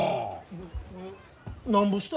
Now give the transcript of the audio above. ななんぼした？